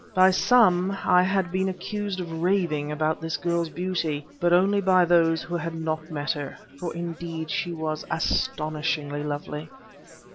By some I had been accused of raving about this girl's beauty, but only by those who had not met her; for indeed she was astonishingly lovely.